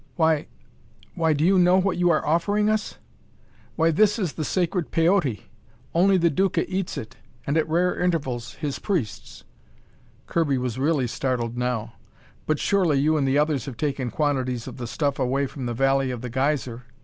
Why why, do you know what you are offering us? Why, this is the sacred Peyote! Only the Duca eats it, and, at rare intervals, his priests." Kirby was really startled now. "But surely you and the others have taken quantities of the stuff away from the Valley of the Geyser.